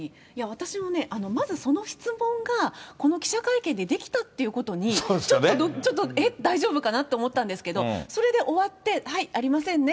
私もね、まずその質問がこの記者会見でできたということに、ちょっとえっ、大丈夫かなと思ったんですけど、それで終わって、はい、ありませんね